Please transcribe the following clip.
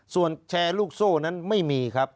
ส่วนแชร์ลูกโซ่นั้นไม่มีครับ